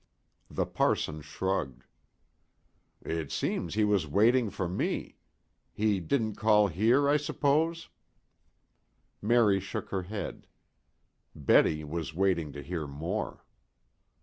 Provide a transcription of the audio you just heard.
The parson shrugged. "It seems he was waiting for me. He didn't call here, I s'pose?" Mary shook her head. Betty was waiting to hear more.